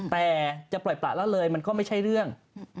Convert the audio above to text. แต่จะปล่อยประละเลยมันก็ไม่ใช่เรื่อง